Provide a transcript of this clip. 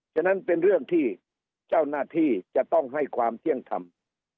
ฉะนั้นเป็นเรื่องที่เจ้าหน้าที่จะต้องให้ความเที่ยงธรรม